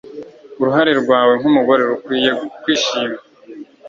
uruhare rwawe nkumugore rukwiye kwishima